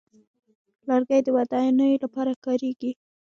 لرګی د ودانیو لپاره کارېږي.